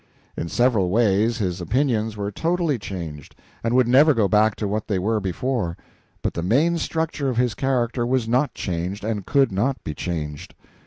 In several ways his opinions were totally changed, and would never go back to what they were before, but the main structure of his character was not changed, and could not be changed.